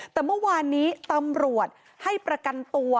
แต่เมื่อวานนี้ตำรวจให้ประกันตัว